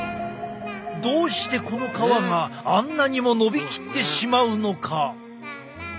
どうしてこの皮があんなにものびきってしまうのか？